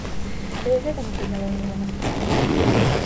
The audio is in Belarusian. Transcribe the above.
Але і гэта не падняло яго настрою.